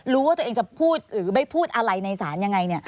รู้ว่าตัวเองจะพูดหรือไม่พูดอะไรในศาลยังไง